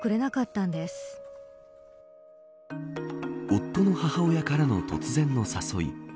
夫の母親からの突然の誘い。